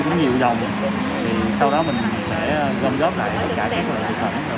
mình đi cũng nhiều vòng sau đó mình sẽ gom góp lại tất cả các loại thực phẩm